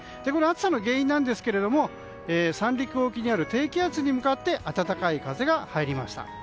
暑さの原因ですが三陸沖にある低気圧に向かって暖かい風が入りました。